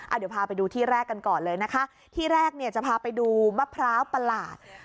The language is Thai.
เดี๋ยวพาไปดูที่แรกกันก่อนเลยนะคะที่แรกเนี่ยจะพาไปดูมะพร้าวประหลาด